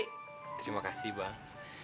terima kasih bang